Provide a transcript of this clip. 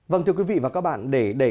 vâng thưa quý vị và các bạn để